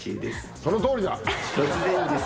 そのとおりです。